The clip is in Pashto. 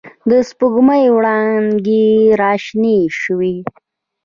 د سپوږ مۍ وړانګې را شنې شوې